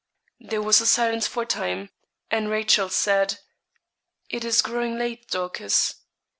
There was a silence for a time, and Rachel said, 'It is growing late, Dorcas.'